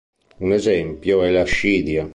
Un esempio è l'ascidia.